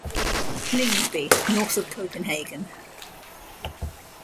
Lyngby, north of Copenhagen.